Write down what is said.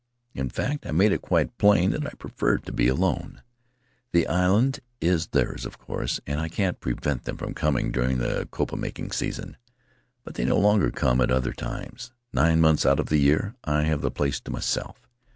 In fact, I made it quite plain that I preferred to be alone. The island is theirs, of course, Anchored off the Reef and I can't prevent them from coming during the copra making season; but they no longer come at other times. Nine months out of the year I have the place to myself.